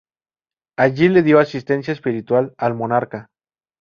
Allí le dio asistencia espiritual al monarca.